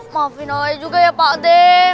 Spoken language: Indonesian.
maafin orangnya juga ya pak deh